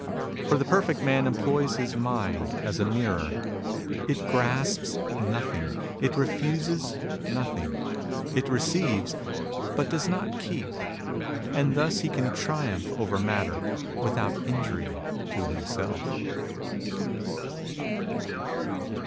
For the perfect man employs his mind as a mirror. It grasps nothing : it refuses nothing. It receives, but does not keep. And thus he can triumph over matter, without injury to himself.